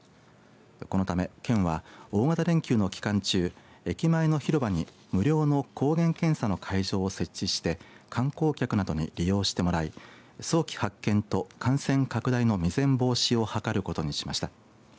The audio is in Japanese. このため県は大型連休の期間中駅前の広場に無料の抗原検査の会場を設置して観光客などに利用してもらい早期発見と感染拡大の未然防止を図ることにしました。